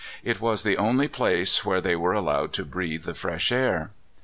It was the only place where they were allowed to breathe the fresh air.